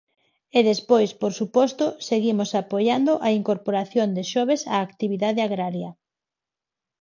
E despois, por suposto, seguimos apoiando a incorporación de xoves á actividade agraria.